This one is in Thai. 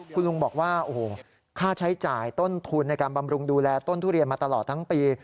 คุณลุงบอกว่าโอ้โหค่าใช้จ่ายต้นทุนในการบำรุงดูแลต้นทุเรียนมาตลอดทั้งปี